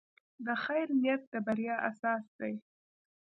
د خیر نیت د بریا اساس دی.